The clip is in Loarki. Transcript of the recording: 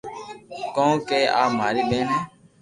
ڪون ڪيي آ ماري ٻين ھي